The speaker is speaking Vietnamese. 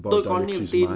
tôi còn niềm tin